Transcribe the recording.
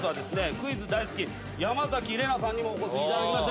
クイズ大好き山崎怜奈さんにもお越しいただきました。